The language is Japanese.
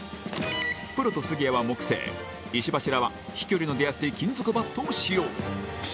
プロと杉谷は木製石橋らは飛距離の出やすい金属バットを使用